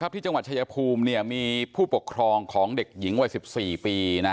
ที่จังหวัดชายภูมิมีผู้ปกครองของเด็กหญิงวัย๑๔ปี